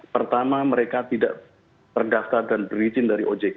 pertama mereka tidak terdaftar dan berizin dari ojk